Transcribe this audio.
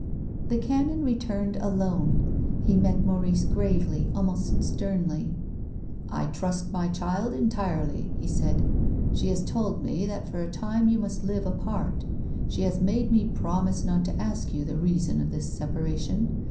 The Canon returned alone. Me met Maurice gravely, almost sternly. "I trust my child entirely," he said. "She has told me that for a time you must live apart. She has made me promise not to ask you the reason of this separation.